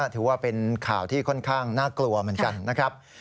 ถือว่าเป็นข่าวที่ค่อนข้างน่ากลัวเหมือนกันนะครับ